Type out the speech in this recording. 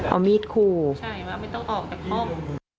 เอามีดขู่ใช่ว่าไม่ต้องออกจากห้อง